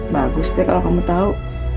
bagus deh kalau kamu tahu